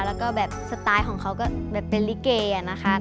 แล้วก็แบบสไตล์ของเขาก็แบบเป็นลิเกอะนะคะ